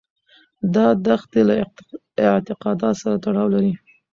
دا دښتې له اعتقاداتو سره تړاو لري.